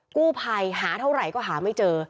กู้ภัยหาเท่าไหร่ก็หาไม่เจอ